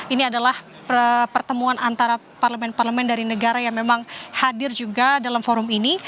ini adalah pertemuan antara parlemen parlemen dari negara yang memang hadir juga dalam forum ini